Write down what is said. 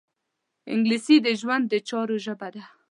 انګلیسي د ژوند د چارو برخه ده